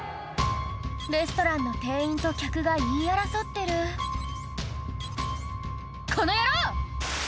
レストランの店員と客が言い争ってる「この野郎！」